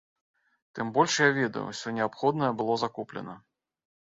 Тым больш, я ведаю, усё неабходнае было закуплена.